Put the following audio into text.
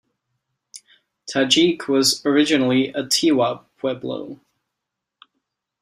Tajique was originally a Tiwa pueblo.